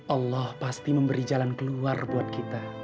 allah pasti memberi jalan keluar buat kita